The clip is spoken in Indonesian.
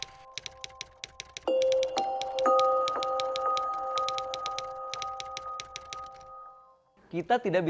sebentar saya akan kisahkan bahwa